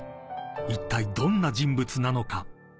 ［いったいどんな人物なのか？］